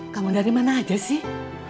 kamu dari mana aja sih